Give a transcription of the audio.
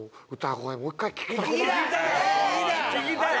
聴きたい！